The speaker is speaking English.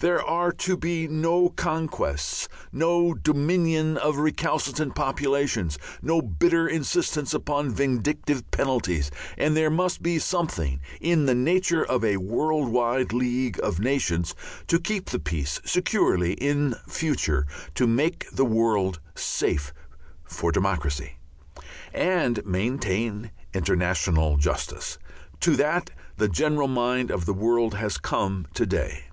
There are to be no conquests, no domination of recalcitrant populations, no bitter insistence upon vindictive penalties, and there must be something in the nature of a world wide League of Nations to keep the peace securely in future, to "make the world safe for democracy," and maintain international justice. To that the general mind of the world has come to day.